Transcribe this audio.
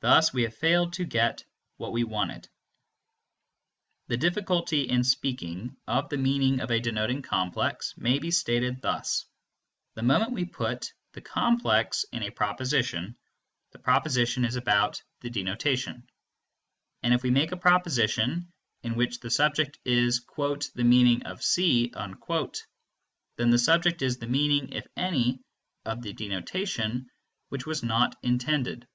Thus we have failed to get what we wanted. The difficulty in speaking of the meaning of a denoting complex may be stated thus: The moment we put the complex in a proposition, the proposition is about the denotation; and if we make a proposition in which the subject is "the meaning of C," then the subject is the meaning (if any) of the denotation, which was not intended.